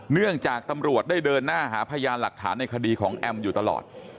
เนื่องจากตำรวจได้เดินหน้าหาพยานหลักฐานในคดีของแอมอยู่ตลอด